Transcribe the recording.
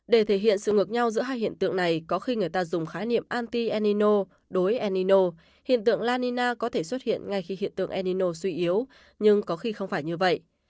để thể hiện sự ngược nhau giữa hai hiện tượng này có khi người ta dùng khái niệm anti enino đối enino hiện tượng la nina có thể xuất hiện ngay khi hiện tượng enino suy yếu nhưng có khi không phải như vậy